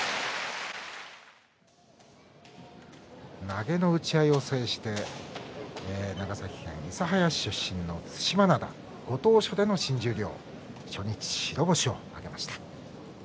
投げの打ち合いを制して長崎県諫早市出身の對馬洋ご当所での新十両初日白星を飾りました。